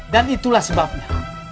dan itulah sebabnya